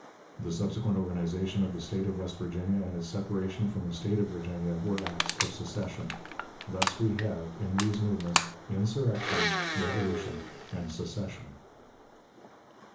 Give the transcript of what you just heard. The subsequent organization of the State of West Virginia and its separation from the State of Virginia were acts of secession. Thus we have, in these movements, insurrection, revolution, and secession.